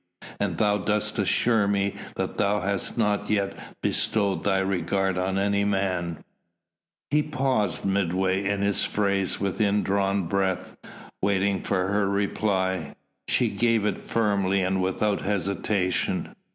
An thou dost assure me that thou hast not yet bestowed thy regard on any man " He paused midway in his phrase with indrawn breath, waiting for her reply. She gave it firmly and without hesitation.